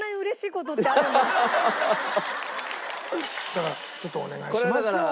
だからちょっとお願いしますよ